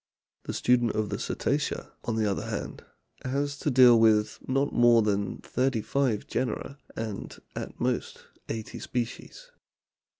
The student of the Cetacea, on the other hand, has to deal with not more than thirty five genera and at most eighty species.